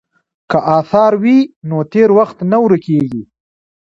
که اثار وي نو تېر وخت نه ورکیږي.